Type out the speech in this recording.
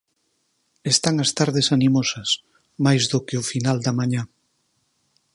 Están as tardes animosas, máis do que o final da mañá.